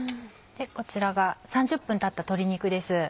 こちらが３０分たった鶏肉です。